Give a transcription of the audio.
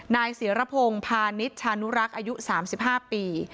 นายเสียระโพงพาณิชชานุรักษ์อายุ๓๕ปี